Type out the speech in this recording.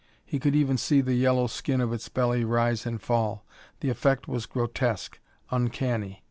He could even see the yellow skin of its belly rise and fall. The effect was grotesque, uncanny.